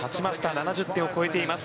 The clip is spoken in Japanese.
７０点を超えています。